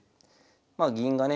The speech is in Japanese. まあ銀がね